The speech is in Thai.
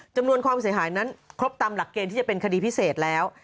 ความเสียหายนั้นครบตามหลักเกณฑ์ที่จะเป็นคดีพิเศษแล้ว